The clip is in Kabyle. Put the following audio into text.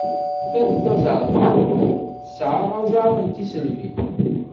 Tiṭ tazeṛqaqt tesɛa aẓar n tisselbi.